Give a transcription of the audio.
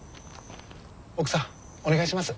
奥さんお願いします。